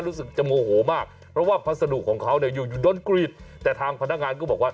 รู้สึกจะโมโหมากเพราะว่าพัสดุของเขาเนี่ยอยู่อยู่ดนกรีดแต่ทางพนักงานก็บอกว่า